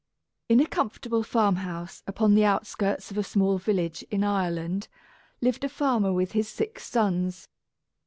In a comfortable farm house upon the outskirts of a small village in Ireland, lived a farmer with his six sons.